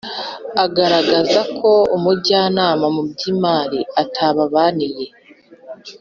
agaragazako umujyanama mu by imari atababaniye